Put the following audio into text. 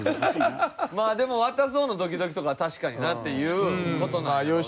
まあでも渡す方のドキドキとかは確かになっていう事なんやろうな。